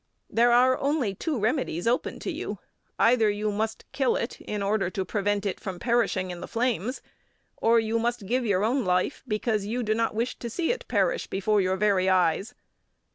There are only two remedies open to you either you must kill it in order to prevent it from perishing in the flames, or you must give your own life, because you do not wish to see it perish before your very eyes.